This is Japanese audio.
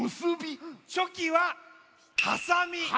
チョキははさみ。